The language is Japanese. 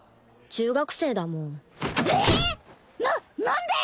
中学生だもん。